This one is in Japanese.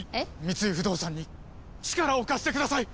三井不動産に力を貸してください！